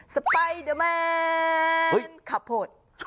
สไปเดอร์แมนขอโภต